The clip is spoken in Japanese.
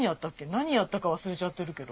何やったか忘れちゃってるけど。